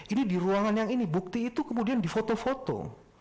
ini di ruangan yang ini bukti itu kemudian di foto foto